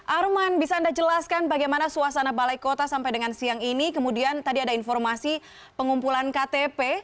arman bisa anda jelaskan bagaimana suasana balai kota sampai dengan siang ini kemudian tadi ada informasi pengumpulan ktp